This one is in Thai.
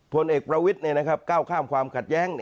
ผลเอกประวิทย์ก้าวข้ามความขัดแย้ง